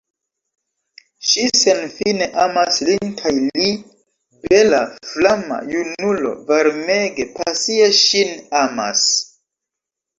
Ŝi senfine amas lin kaj li, bela, flama junulo, varmege, pasie ŝin amas.